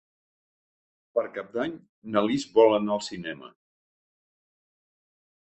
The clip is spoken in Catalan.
Per Cap d'Any na Lis vol anar al cinema.